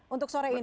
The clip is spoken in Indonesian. untuk sore ini